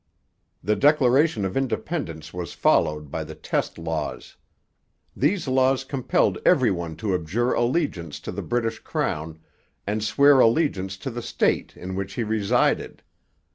The Declaration of Independence was followed by the test laws. These laws compelled every one to abjure allegiance to the British crown, and swear allegiance to the state in which he resided.